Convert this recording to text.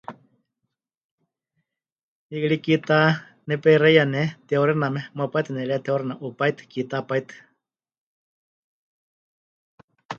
Ne ri kiitá nepeixeiya ne, tihauxiname, muuwa pai tɨ nepɨretihauxina, 'u pai tɨ, kiitá pai tɨ.